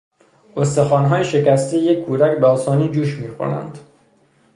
استخوانهای شکستهی یک کودک به آسانی جوش میخورند.